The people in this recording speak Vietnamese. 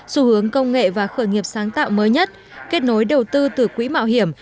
xu hướng công nghệ và khởi nghiệp sáng tạo mới nhất kết nối đầu tư từ quỹ mạo hiểm